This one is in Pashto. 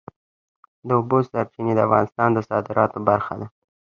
د اوبو سرچینې د افغانستان د صادراتو برخه ده.